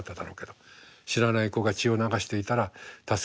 知らない子が血を流していたら助ける親がいる。